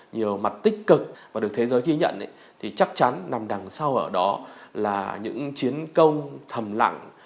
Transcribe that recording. nhiều mặt tích cực và được thế giới ghi nhận thì chắc chắn nằm đằng sau ở đó là những chiến công thầm lặng